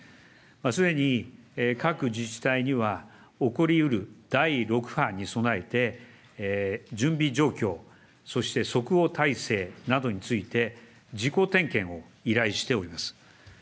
すでに各自治体には、起こりうる第６波に備えて、準備状況、そして即応態勢などについて、自己点検を依頼しております。